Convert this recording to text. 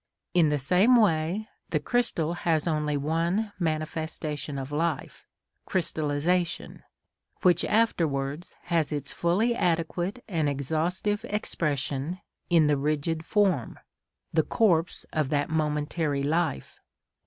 In the same way the crystal has only one manifestation of life, crystallisation, which afterwards has its fully adequate and exhaustive expression in the rigid form, the corpse of that momentary life.